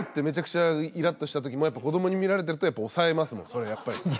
めちゃくちゃイラッとした時もやっぱ子どもに見られてるとやっぱ抑えますもんそれはやっぱり。